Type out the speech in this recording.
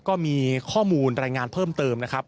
ก็มีข้อมูลรายงานเพิ่มเติมนะครับ